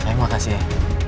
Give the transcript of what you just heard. saya mau kasih